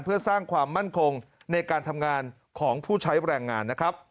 เพื่อสร้างความมั่นคงในการทำงานของผู้ใช้แรงงานนะครับ